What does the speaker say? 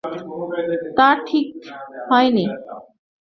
তা ঠিক হয়নি।